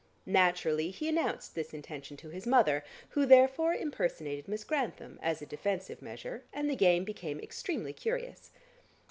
Naturally he announced this intention to his mother, who therefore impersonated Miss Grantham, as a defensive measure, and the game became extremely curious.